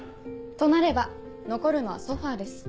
となれば残るのはソファです。